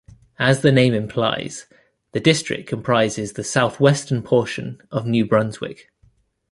As the name implies, the district comprises the southwestern portion of New Brunswick.